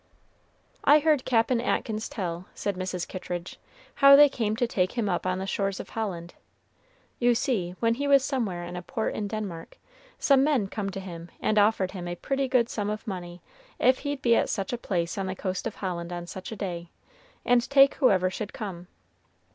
"I heard Cap'n Atkins tell," said Mrs. Kittridge, "how they came to take him up on the shores of Holland. You see, when he was somewhere in a port in Denmark, some men come to him and offered him a pretty good sum of money if he'd be at such a place on the coast of Holland on such a day, and take whoever should come.